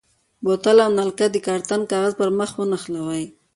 بوتل او نلکه د کارتن کاغذ پر مخ ونښلوئ.